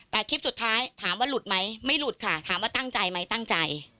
แต่คลิปสุดท้ายถามว่าหลุดไหมไม่หลุดค่ะถามว่าตั้งใจไหมตั้งใจ